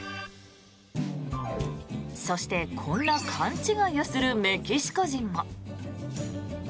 そして、こんな勘違いをするメキシコ人も。